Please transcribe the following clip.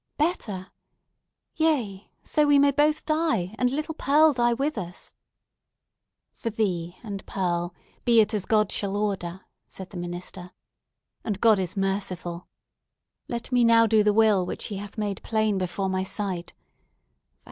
"Better? Yea; so we may both die, and little Pearl die with us!" "For thee and Pearl, be it as God shall order," said the minister; "and God is merciful! Let me now do the will which He hath made plain before my sight.